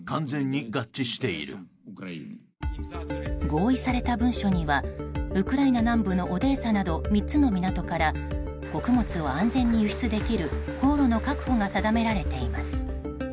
合意された文書にはウクライナ南部のオデーサなど３つの港から穀物を安全に輸出できる航路の確保が定められています。